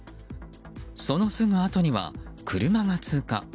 そのすぐあとには車が通過。